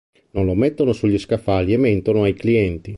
Non lo mettono sugli scaffali e mentono ai clienti.